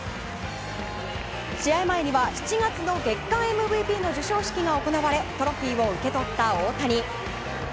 試合前には７月の月間ＭＶＰの授賞式が行われトロフィーを受け取った大谷。